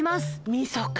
みそか！